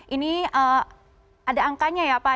ini ada angkanya ya pak